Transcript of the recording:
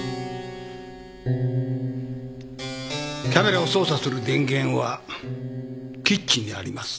カメラを操作する電源はキッチンにありますね。